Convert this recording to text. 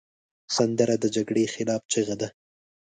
سندره د جګړې خلاف چیغه ده